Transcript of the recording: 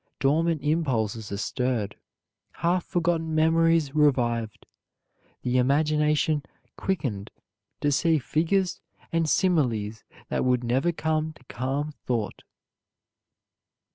Dormant impulses are stirred, half forgotten memories revived, the imagination quickened to see figures and similes that would never come to calm thought.